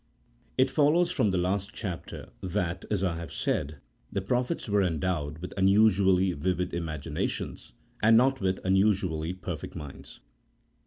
IT follows from the last chapter that, as I have said, the prophets were endowed with unusually vivid imagina tions, and not with unusually perfect minds.